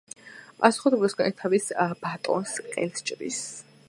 პასუხად უკანასკნელი თავის ბატონს ყელს ჭრის.